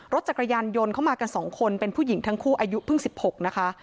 รถจักรยานยนต์ยนต์เข้ามากันสองคนเป็นผู้หญิงทั้งคู่อายุเพิ่งสิบหกนะคะ